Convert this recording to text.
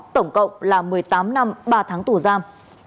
tổng cộng là một mươi tám năm ba tháng tù giam